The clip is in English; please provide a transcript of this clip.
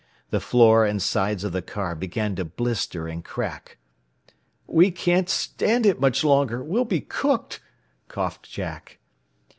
The floor and sides of the car began to blister and crack. "We can't stand it much longer! We'll be cooked!" coughed Jack.